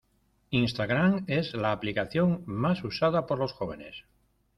Instagram es la aplicación más usada por los jóvenes.